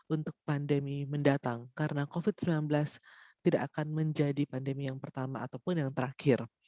untuk pandemi mendatang karena covid sembilan belas tidak akan menjadi pandemi yang pertama ataupun yang terakhir